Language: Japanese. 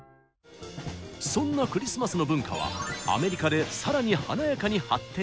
そんなクリスマスの文化はアメリカで更に華やかに発展していくのです。